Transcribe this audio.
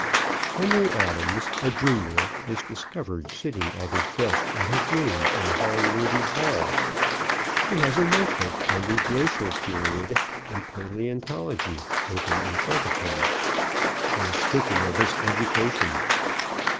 Henry Adams, a Junior, is discovered sitting at his desk in his room in Holworthy Hall. He has a notebook on the Glacial Period and Palæontology open in front of him. He is thinking of his Education.